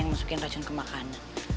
yang masukin racun ke makanan